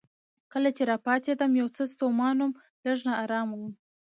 کله چې راپاڅېدم یو څه ستومانه وم، لږ نا ارامه وم.